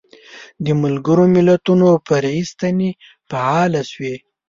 د ملګرو ملتونو فرعي ستنې فعالې شوې.